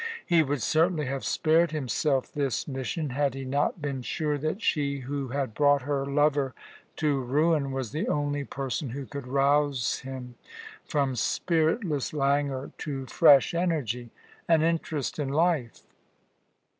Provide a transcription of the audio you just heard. He would certainly have spared himself this mission, had he not been sure that she who had brought her lover to ruin was the only person who could rouse him from spiritless languor to fresh energy and interest in life.